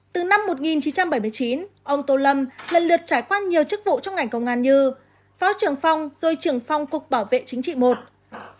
từ năm một nghìn chín trăm bảy mươi chín ông tô lâm lần lượt trải qua nhiều chức vụ trong ngành công an như phó trưởng phòng rồi trưởng phòng cục bảo vệ chính trị i